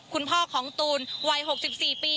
คุณพ่อของตูนวัย๖๔ปี